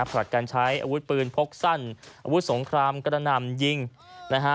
ผลัดการใช้อาวุธปืนพกสั้นอาวุธสงครามกระหน่ำยิงนะฮะ